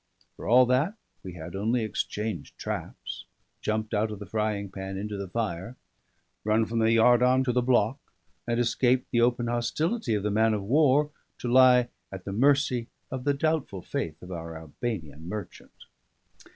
For all that, we had only exchanged traps, jumped out of the frying pan into the fire, run from the yard arm to the block, and escaped the open hostility of the man of war to lie at the mercy of the doubtful faith of our Albanian merchant.